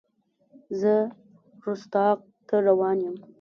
زه رُستاق ته روان یم.